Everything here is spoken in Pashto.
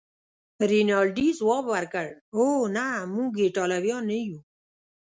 رینالډي ځواب ورکړ: اوه، نه، موږ ایټالویان نه یو.